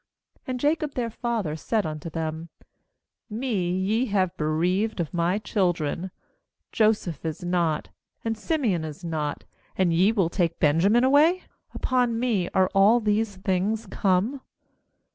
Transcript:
^And Jacob their father said unto them: 'Me have ye bereaved of my children: Joseph is not, and Simeon is not, and ye will take Benjamin away; upon me are all these things come.'